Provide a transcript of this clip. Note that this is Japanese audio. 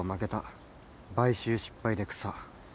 「買収失敗で草」